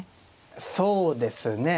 そうですね。